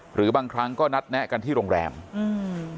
หรือบางครั้งก็นัดแนะกันที่โรงแรมอืม